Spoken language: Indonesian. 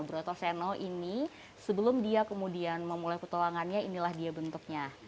brotoseno ini sebelum dia kemudian memulai petualangannya inilah dia bentuknya